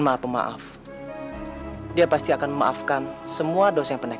tampak ni nyantai bener